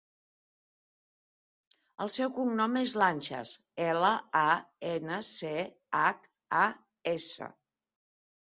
El seu cognom és Lanchas: ela, a, ena, ce, hac, a, essa.